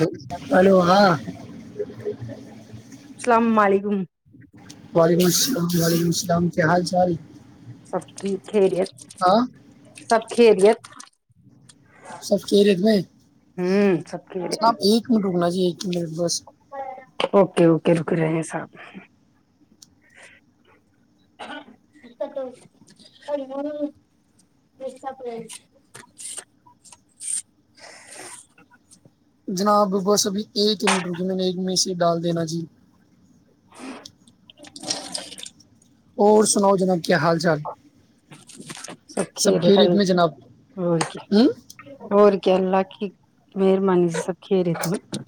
لو hello ہاں ج السلام علیکم وعلیکم السلام وعلیکم السلام کیا حال چال سب کی کھیریت ہاں سب کھیریت سب چرےت میں ہوں سب سرب خیریت ایک میں ڈوکنا چاہیے ج بس اوکے اوکے رک رہے ہیں صاحب جناب بس ابھی ایکنٹ رکی میں نے ایک میں سے ڈال دینا جی اور سناؤ جناب کیا حال چال س سب کیا خیریت میں جناب ہوں اور کیا اللہ کی مہربانی سے سب کھی رہے ت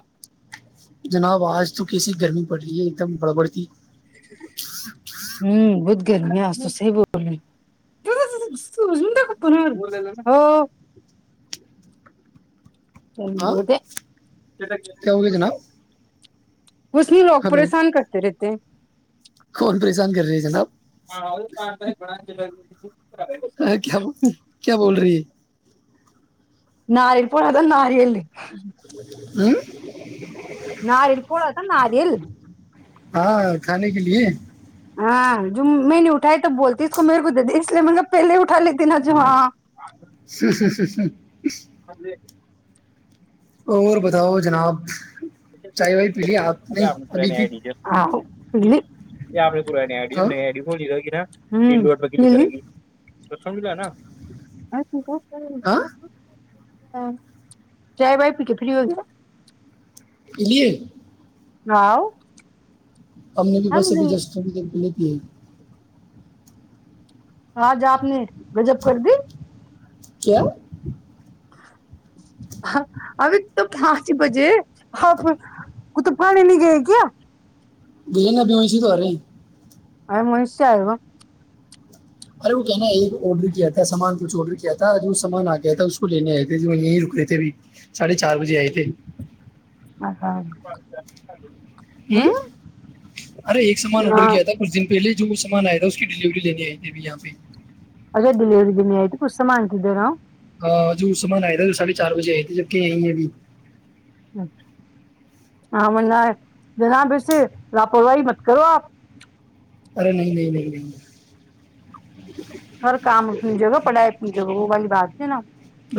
جناب آج تو کیسی گرمی پڑ رہی ہے ایک دم گڑبڑتی ہوں ب [unintelligible] گرمییا توسے بولنے س کپ ہاں کیا ہو گیا جناب [inaudible] اس میں لوگ ہلو پریشان کرتے رہتے ہیں کون پریشان کر رہے ہے جناب [unintelligible] ہاں کیا کیا بول رہی ہے ناریل پڑ تھا ناریل ہوں ناریل پڑ تھاا ناریل ہاں کھانے کے لیے ہاں جو میں نے اٹھائی تو بولتی اس کو میرے کو دے دی اس لیے میںا پہلے اٹھا لیتی نا جو ہاں س س س س اور بتاؤ جناب چائے وائی پی ل آپ نہیں ابھی کی [unintelligible] پورا نیڈی ہاں نیی بولی ہوگیا ل تو سمج ل نا [unintelligible] ہاں ہاں چائے بائی پیک ہے فری ہو گیا ج [unintelligible] [unintelligible] ہم نے بھی بس ابھی جسٹ جی [unintelligible] آج آپ نے گجب کر دی کیا [unintelligible] ہ ابھی تو پچ بجے آ کت پانی نہیں گئے کیا بجے نبیوںئی س دوارے ا منیش سے آ وہ ارے وہ کہنا ایک آرڈر کیا تھا سامان کچھ آڈر کیا تھا جو سامان آ گیا تھا اس کو لینے آئے تھے جو یہیں رک رہے تھے اھی ساڑھے چار بجے آئے تھے ا ہاں ہوں ارے ایک سامان آڈر ہاں کیا تھا کچھ دن پہلے جو وہ سامان آیا تھا اس کی ڈلیوری لینے آئی تھی اھی یہاں پہ ارے ڈلیوری دن آئیت کتماننٹتے نا ہاں جو سامان آیا تھا وہ ساڑھے چار بجے آئے تھے جبک یہیں ہیں ابھی چ ہ منا ہے جنا پھر سے لاپرواہی مت کرو آپ ارے نہیں نہیں نہیں نہیں گ ہر کام اپنی جگہ پڑھائی اپنی جگہ وہ والی بات ہے نا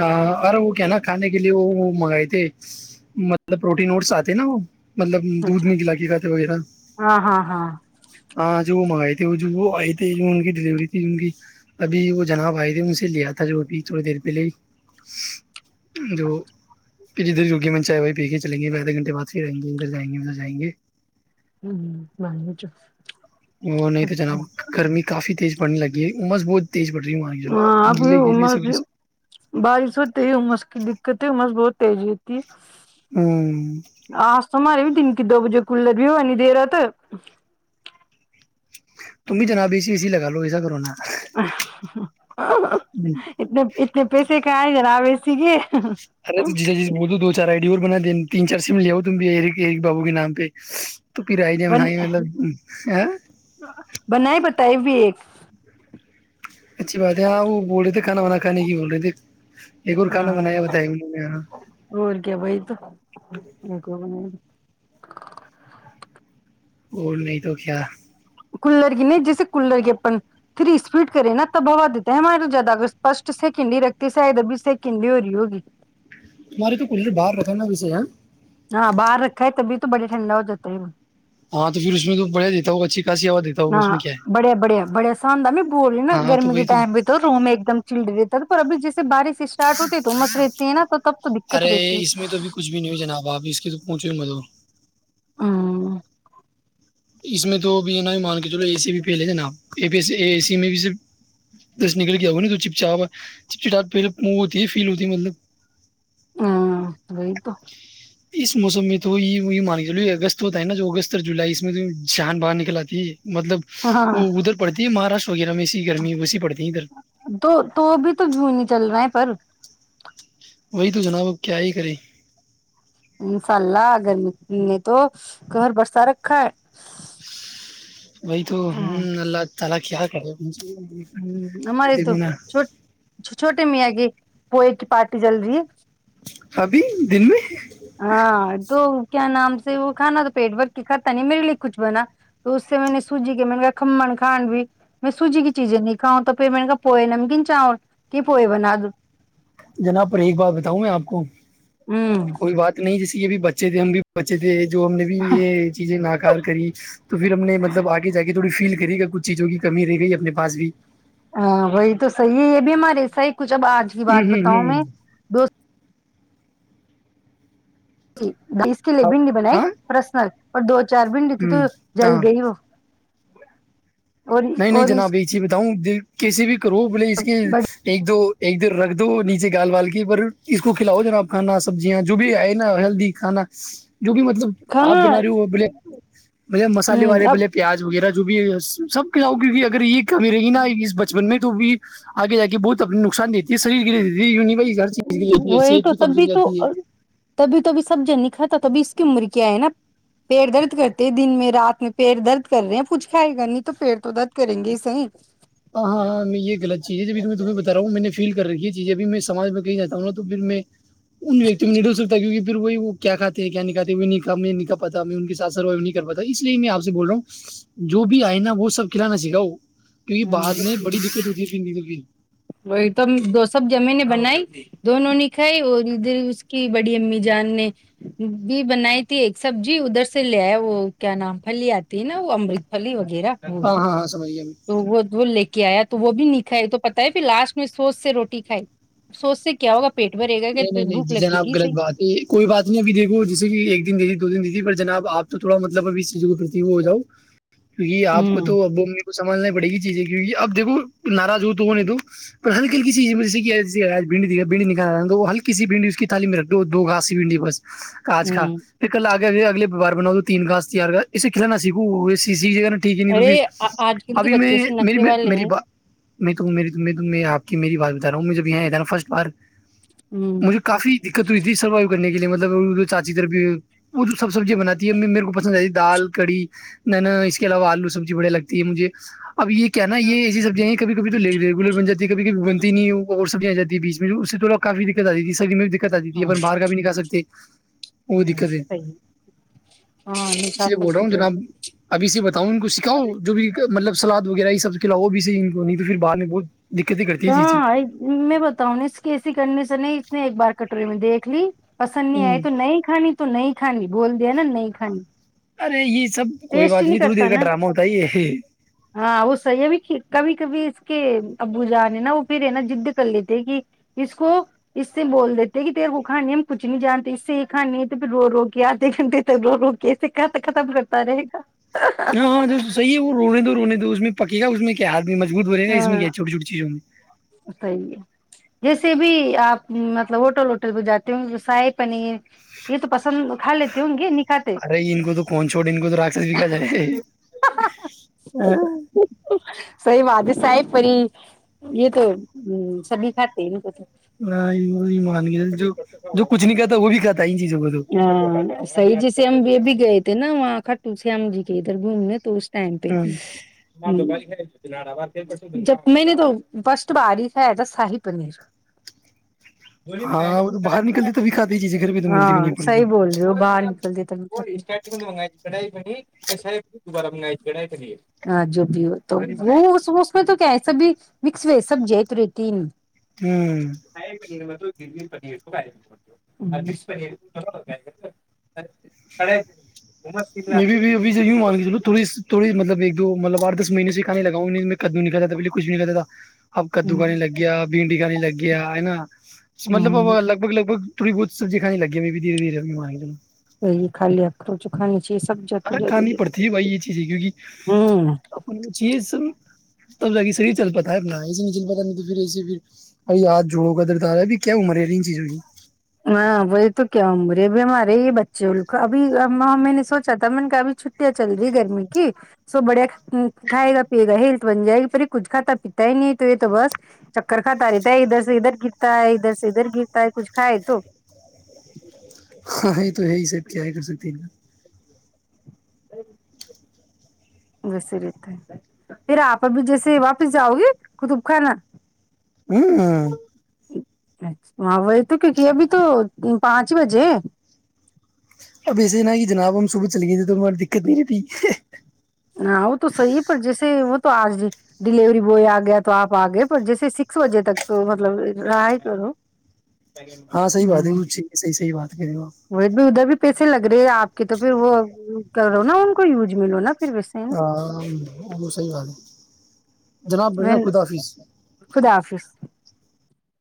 آ، ارے وہ کیا نا کھانے لیے وہ منگائے تھے مطلب پروٹین ووٹس آتے نا وہ مطلب دودھ اچھا نہیں گلا کے کا تھے و تھا ہاں ہاں ہاں اں جو وہ منگائے تھے وہ آئے تھے جو ان کی ڈلیوری تھی ابھی وہ جناب آئی تھی ان سے لیا تھا جو ابھی تھوڑی دیر پہلے ہی جو کہ جدھر جوگی من چائے وہی پی کے چلیں گے آدھے گھنٹے بعد پ رہیں گے ادھر جائیں گے ادھر جائیں گے ہ مانو چ وہ نہیں تو جناب گرمی کافی تیز بڑنے لگی ا عمس بہت تیز پڑ رہی ہے وہاں کی چلو ہاں آپ اب گیلے گیلے سے بھیس بارش ہوتے ہےمس کی دقت ہےس بہت [unintelligible] ہوں سارے بھی دن کی دو بجے کولر بھی ہوا نہیں دے رہا تھا تم بھی جناب بیےسیی اسی لگا لو ایسا کرونا اتنے اتنے پیسے کا آئے گا رہ بیسی کی [unintelligible] ارے جی ب [unintelligible] چار آئی ڈی اور بنا دین تین چار سم لیاؤ تم بھی بابو کے نام پہ تو پھر ہی ج من بن ہی مطلب ت بھی ایک [unintelligible] اچھی بات ہے ہاں وہ بول رہے تھے کھانا وانا کانے کی بول رہے تھے ایک اور کھانا ہاں بنایا بتایا انہوں نے ہاں اور کیا بائی تو اور نہیں تو کیا کولر کی نہیں جیسے کولر کی اپن تھری اسپیڈ کرے نا تب ہوا دیتا ہے ہمارے زیادہ اگرپشٹ سیکنڈ ہی رکھتے ادھر بھی سیکنڈ ہی ہو رہی ہوگی ماری تو کلرت باہار رکھاننا وے ہے ہاں باہر رکھا ہے تبھی تو تو بڑے ھنڈا ہو جا ہے ہیں ہاں تو پھر اس میں تو بڑھیا دیتا ہوگا اچھی خاصی ہوا دیتا ہوگا اس ہاں میں کیا ہے بڑھیا بڑھیا بڑیا شاندہ میں بول رہی نا ہاں تو گرمی کے وہی ٹائم بھی تو روم ایک دم چڈی رہتا تھا پر ابھی جیسے بارش اسٹارٹ ہوتی تو مس رہ ت ن تو [unintelligible] ارے رہتی ہے اس میں تو بھیھی کچھ بھی نہیں ہو جناب واپس کی تو پہچ [unintelligible] [unintelligible] جی مل [unintelligible] ہاں [unintelligible] اس میں تو ابھی ہے نا بھی مان کے چلو اے سی بھی پھیلے تھ نا اے سی میں بس نکل کے آ نا تو چپ چاپ چپا پ من ہوتی ہے فیل ہوتی ہے مطلب ہاں وہی تو [unintelligible] اس موسم میں تو یہ مان کے چ اگست ہوتا ہے نا جو اگست اور جولائی اس میں تو جان باہر نکل آتی ہے مطلب ہاں وہ ادھر پڑتی [unintelligible] یہ مہاراشر [unintelligible] [unintelligible] وہی تو جناب اب کیا ہی کری [unintelligible] انشاء اللہگررمی نے تو گھر برسا رکھا ہے [unintelligible] وہی تو ہوں اللہ [inaudible] تالا کیا کر ہو [inaudible] ہ ہمماری تو چ چھوٹیے مں گی [unintelligible] پئے کی پارٹی جلدی [unintelligible] ابھی دن میں [unintelligible] ہاں ا [unintelligible] کیا نام سے وہ کھانا تو پیٹ بھر کے کھاتا نہیں میرے لیے کچھ بنا تو اس سے میں نے سوجی کے میں نے کھمن کان بھی میں سوجی کی چیزیں نہیں کھاؤں تو پھر میں نے کہ پوئے نمکین چاول کی پوئے بنا دو جناب پر ایک بار بتاؤں میں آپ کو ہوں [inaudible] کوئی بات نہیں جس یہ بھی بچے تھ ہم بھی بچے تھ جو ہم نے بھی یہ چیزیں ناکار کری تو پھر ہم نے مطلب آگے جا کے تھوڑی فیل ری کا کچھ چیزوں کی کمی رہ گئی اپنے پاس بھی ہاں وہی تو صحیح یہ بھی ہمارےسح کچھ اب آج کی ہ ہ بات بتاؤں میں دو جیھ اس کے لیے ہ ہاں بنڈی بنائی پرسنک اور دو [unintelligible] چار بنڈی ہ تھی تو ہاں جلد گئی وہ اور نہیں نہیں اور اس جناب یہ چی ہوں کسی بھی روپ ل اس کے ایک دو ایک دیر رکھ دو نیچے گال بال کے پر اس کو کھلاؤ جناب کھانا سبزیاں جو بھی آئے نا ہیلدی کھانا جو بھی مطلب آپ کھانا بنا رہی ہو بولے بلے مسالے ہوں والے اب بلے پیاز وغیرہ بھی سب جاؤ کیونکہ اگر یہ کمی رہی نا ا اس بچپن میں تو بھی آگے جا کے بہت اپنا نقصان دیتی ہے شریر کے ہے یوں نہیں بھائی ہر چیز کے لیے دیتی ہے وہی صحت تو بھی کمزور تبھی ہو تو جاتی ہے تبھی توبھی سب جن نہیں کھاتا توبھی کی عمر کیا ہے نا پیڑ درد کرتے دن میں رات میں پییر درد کر رہے ہیں کچھ کھائے گا نہیں تو پیڑ تو درد کریں گے ہی صحی ہاں ہاں میں یہغل چز ہے جب میں تمہیں بتاا ہوں میں نے فیل کر رھی ہے چیز ابھی میں سمج میں کہیں جاتا ہوں نا تو پھر میں ان وتی میںڈل سکتا کی پھر وہ کیا کھات کیا نہیںکھات کہا نہیںا پ میں کے س سروو نہیں کر پاتا اس لیے میں آپ سے بول رہا ہوں جو بھی آئے نا وہ سب کھلانا سا کیونکہ بع ہاں بس میں بڑی دقت ہوتیھی پین جی تو سب جمی نے بنائی دونوں نے کھائی اس کی بڑی امی جان نے یہ بنائی تھی ایک سب جی ادھر سے لے ایا وہ کیا نام ہے لے اتے ہیں نا وہ ا ہاں ہاں ہاں سمجھ گیا میں تو وہ وہ لے کے آیا تھا تو وہ بھی نکھا ہے تو پ پھر لاسٹ میں سوچ سے روٹی کھائی سوچ سے کیا ہوگا پیٹ بھرے گا نہیں کہ نہیں نہیں بھوک جی لگے جناب گی غلط صحیح بات ہے کوئی بات نہیں ابھی دیکو جسے ایک دن دی تھی دو دن دی تھی پر جناب آپ تو تھوا مطلب اس چیز پر ج وہ ہو جاؤ کیکہ آپ کو ہوں تو ا سمجھنا پڑے گی چیز ہے کیہ اب دیکو ناراض ہو تو وہ نہیں تو پر ہر کل کییز جیسیکھ بڈی نکھا رہا تو وہ ہلکیھنڈی اس کی تھالی میں رکھ دو گاسی بھنی بس آج کا ہوں ایک ک لگ اگے بار بنا دو تین گاس تیار اسے کھلنا سھو سیی جہ میں ٹھیک ہے نہیں تو ارے پھر آج کل کے ابھی بچے میں سے نخرے م والے میری ہیں بات میں تو آپ کی میری بات بتا رہا ہوں جب یہاں ہے تھا نا فسٹ بار ہوں مجھے کافی دقت ہوئی تھی سروائو کرنے کی لیے مطلب چانچی طرف وہ سب سبزیاں بناتی ہے میرے کو پسند آتی ہے دال کڑی نہا اس کے علاوہ آلو سبزی بڑھیا لگتی ہے مجھے اب یہ کیا نا یہ ایسی سبزیا ہیں کبھی کبھی تو ریگولر بن جی ہے کبھیبھی بنتی نہیں وہ اور سبزیا آ جاتی بیچ میں جو اس سے تھوڑا کافی دقت آ جی س م میں ہاں ت باہر کا بھی نہیں کا سکتے وہ ہوں دقت ہے صحیح ہاں اس نشا لیے بول رہا ہوں جناب ابھی سے بتاؤ ان کو سکھاؤ جو بھی مطلب سلاد وغیرہ یہ سب کلا وہ بھی صح ان کو نہیں تو پھر بر نے بہت دقتیں کرتی ہے چیزیں کہاں میں بتاؤں ن اس کی کنڈیشن ہے اس نے ایک بار کٹوری میں دیکھ لی پسند نہیں آئے تو نہیں کھانی تو نہیں کھانی بول د ہیں نا نہیں کھانی ارے یہ سب کوئی ٹیسٹ ہی بات نہیں تھوڑی کرتا دیر کا نا ڈرامہ ہوتا ہے یہ ہاں وہ ص یہ بھی کبھی کبھی کہ ابو جان ہے نا وہ پھر ہے نا جد کر لیتے کہ اس کو اس سے بول دیتے کہ ت وہ کھانانی ہے ہم کچھ نہیں جانتے اس سے یہ کھانانی ہے تو پھر رو رو کےدھے گھنٹے تک رو رو کے اس ختم کرتے پے گا ہاں ہاں جو صحی ہے وہ رونے دو رونے دو اس میں پکی گا اس میں کیاھ مجبوط ہو رہے ہیں نا اس میں ہاں کیا چھوٹی چھوٹی چیزوں میں سے بھی آپ مطلب ہوٹل ووٹل بھی جاتے ہو شاہی پنیر یہ تو پسند کھا لیتے ہوں گے نہیں کھاتے ارے ان کو تو کون چھوڑ ان کو تو راکشس بھی کہا جائے صحی بات ہے ساحب پری یہ تو سبھی کھات تو ہاں ایمان جو جو کچھ نہیں کہاتا وہ بھی کاتا ہے ان چیزوں کو تو ہاں سج سےم بھی بھی گئے تھے نا وہاں کٹو شیام جی کے ادھر گھومنے تو اس ٹائم پہ جب میں نے تو فسٹ بارف ہے ای تھا شاہی پنیر ہاں باہر نکلتی تو بھی کات چیزیں گھر پ تو ملتی بھی نہیں اپن کو صحی بول رہے ہو باہر نکلتی [unintelligible] [unintelligible] گ پیر تو م پ [unintelligible] [unintelligible] میری بھی ابھی چیکنگ مانگی چلو تھوڑی تھوڑی مطلب ایک تو مطلب آ ٹھ دس مہینے سے کھانے لگا ہو نہیں تو میں کدو نہیں کھاتا تھا پہلے کچھ نہی کہتا تھا اب کدو کا نہیں لگ گیا بھنڈی کا نہیں لگ گیا ہے نا مطلب ہاں لگ بھگ لگ بھگ تھوی بہت سبجی کھانی لگ گیا میں بھی دھیرے دھیرے [unintelligible] ی درےماروں پ جی خالی اخروں [unintelligible] چ خانیانی ا کرانی پڑتی ہے بھائی یہ چیز ہے کیونکہ ہوں اپ چے سب تب جاگے سرح چل پتا ہے اپ ایسے نہیں چل پتا نہیں توھر ایے پھر ا ہاتھ جوڑوں کا درتا آ رہا ہے کیا عمر ہے ان چیزوں کی ہاں وہی تو کیا ہ مرے اب ہمارے یہ بچے اب میں نے سوچا تھا میں نے کہا اب چھٹیاں چل رہی گرمی کی سو بڑھیا کھائے گا پیے گا ہیلتھ بن جائے گی پر یہ کچھ کھاتا پیتا ہی نہیں تو یہ تو بس چکر کھاتا رہتا ہے ادھر سے ادھر گرتا ہے ادھر سے ادھر گرتا ہے کچھ کھائے تو [unintelligible] ہاں ہی تو ہے ہی سید کیا ہے کر سکتے ہیں ان کا ا [inaudible] ویسے رہتا ہے پھر آپ اب جیسے واپس جاؤ گے قطب خانا ہوں ہ [unintelligible] ماں وہی تو کیونک ابھی تو پانچ ہی بجے اب ایسے ہی نہا کہ جناب ہم صبح چل گئے تھے تو ہماری دقت نہیں رہتی ہاں وہ تو صحیح ہے پر جیسے وہ تو آج ڈیلیوری بوائے آ گیا تو آپ آ گئے پر جیسے سکس بجے تک تو مطلب رہا ہے کرو ہاں صحی بات ہے ہوں وہ ہے [unintelligible] صح بات ہے وہ ادھر بھی پیسے لگ رہے آپ کے تو پھر وہ کرو نا ان کو یوز ملو نا پھر ویسےویل آپ ہاں وہ صحیح بات ہے جناب بڑھیا خدا حافظ خدا حافظ